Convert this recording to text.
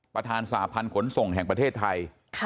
ประธานสาพันธ์ขนส่งแห่งประเทศไทย